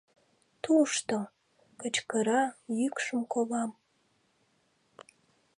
«Тушто!» — кычкыра, йӱкшым колам.